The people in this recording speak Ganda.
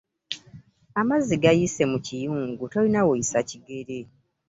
Amazzi gayiise mu kiyungu tolina woyisa kigere.